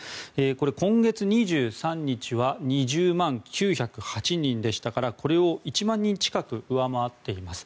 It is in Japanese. これ、今月２３日は２０万９０８人でしたからこれを１万人近く上回っています。